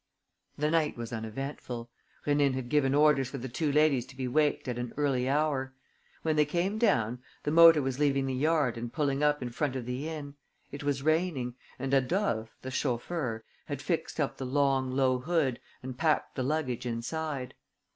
The night was uneventful. Rénine had given orders for the two ladies to be waked at an early hour. When they came down, the motor was leaving the yard and pulling up in front of the inn. It was raining; and Adolphe, the chauffeur, had fixed up the long, low hood and packed the luggage inside.